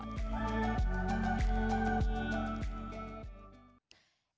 kedua kemudian kemudian kemudian